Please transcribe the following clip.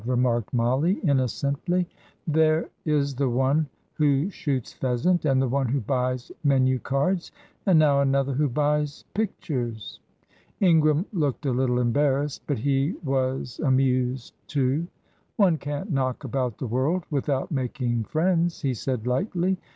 remarked Mollie, innocently. "There is the one who shoots pheasant, and the one who buys menu cards, and now another who buys pictures." Ingram looked a little embarrassed, but he was amused too. "One can't knock about the world without making friends," he said, lightly.